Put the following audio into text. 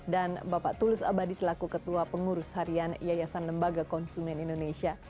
dan bapak tulis abadi selaku ketua pengurus harian yayasan lembaga konsumen indonesia